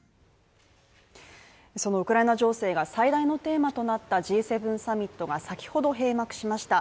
そのウクライナ情勢が最大のテーマとなったＧ７サミットが先ほど閉幕しました。